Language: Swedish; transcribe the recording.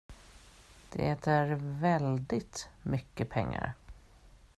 Det är väldigt mycket pengar.